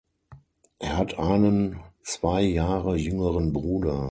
Er hat einen zwei Jahre jüngeren Bruder.